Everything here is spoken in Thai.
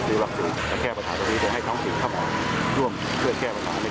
ตอนนี้จังหวัดก็ได้มีการประกาศเขตนะครับ